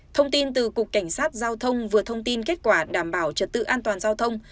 thông tin từ cục cảnh sát giao thông vừa thông tin kết quả đảm bảo trật tự an toàn giao thông